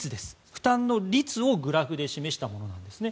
負担の率をグラフで示したものなんですね。